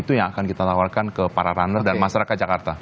itu yang akan kita tawarkan ke para runner dan masyarakat jakarta